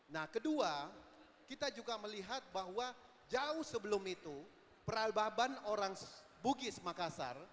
nah kedua kita juga melihat bahwa jauh sebelum itu perababan orang bugis makassar